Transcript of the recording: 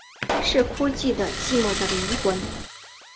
是哭泣的寂寞的灵魂